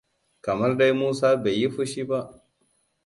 Kamar dai Musa bai yi fushi ba.